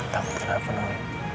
takut kenapa non